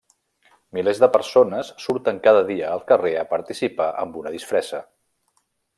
Milers de persones surten cada dia al carrer a participar amb una disfressa.